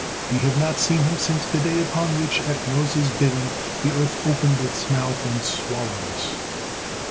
"We have not seen him since the day upon which at Moses' bidding the earth opened its mouth and swallowed us."